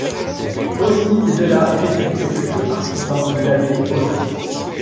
Aussi ces deux-là étaient-ils les plus chauds partisans de l'abbé Faujas.